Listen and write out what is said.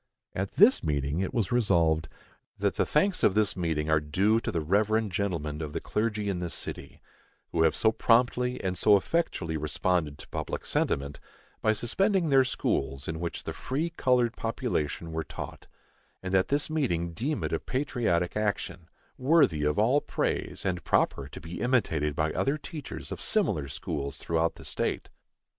At this meeting it was Resolved, That the thanks of this meeting are due to the reverend gentlemen of the clergy in this city, who have so promptly and so effectually responded to public sentiment, by suspending their schools in which the free colored population were taught; and that this meeting deem it a patriotic action, worthy of all praise, and proper to be imitated by other teachers of similar schools throughout the state.